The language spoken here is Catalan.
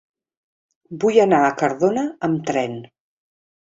Vull anar a Cardona amb tren.